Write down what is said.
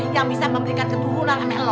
yang bisa memberikan keturunan sama lo